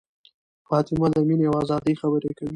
فاطمه د مینې او ازادۍ خبرې کوي.